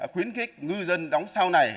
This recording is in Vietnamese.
khuyến khích ngư dân đóng sau này